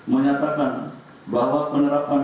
menyatakan bahwa penerapan